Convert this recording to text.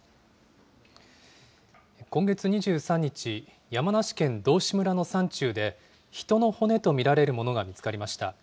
今月２３日、山梨県道志村の山中で、人の骨と見られるものが見つかりました。